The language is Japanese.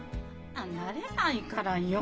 慣れないからよ。